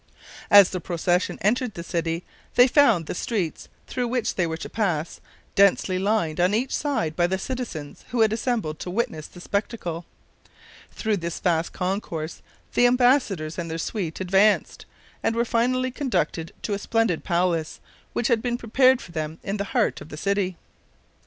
As the procession entered the city, they found the streets through which they were to pass densely lined on each side by the citizens who had assembled to witness the spectacle. Through this vast concourse the embassadors and their suite advanced, and were finally conducted to a splendid palace which had been prepared for them in the heart of the city.